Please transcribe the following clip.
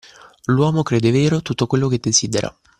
L'uomo crede vero tutto quello che desidera.